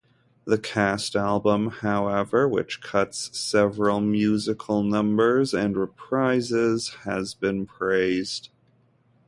The cast album, however, which cuts several musical numbers and reprises, has been praised.